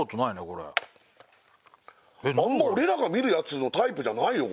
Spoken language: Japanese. これあんま俺らが見るやつのタイプじゃないよ